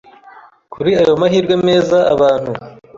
Kuri ayo mahirwe meza abantu